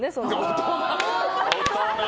大人！